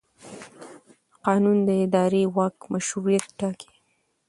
قانون د اداري واک مشروعیت ټاکي.